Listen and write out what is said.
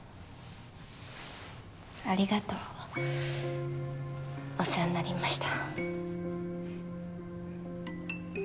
ありがとうお世話になりました